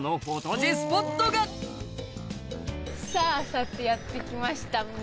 さてやって来ました。